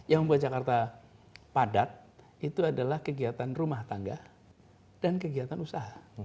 yang membuat jakarta padat itu adalah kegiatan rumah tangga dan kegiatan usaha